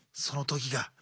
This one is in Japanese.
その時が。